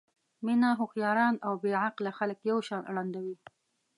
مینه هوښیاران او بې عقله خلک یو شان ړندوي.